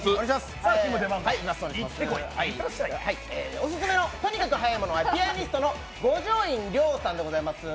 オススメのとにかくはやいものはピアニストの五条院凌さんでございます。